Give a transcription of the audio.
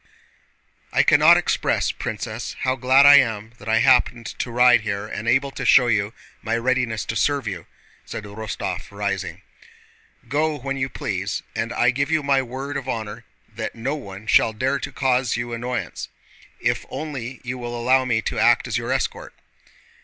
"I cannot express, Princess, how glad I am that I happened to ride here and am able to show my readiness to serve you," said Rostóv, rising. "Go when you please, and I give you my word of honor that no one shall dare to cause you annoyance if only you will allow me to act as your escort."